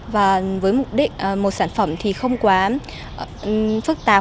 và với mục đích một sản phẩm thì không quá phức tạp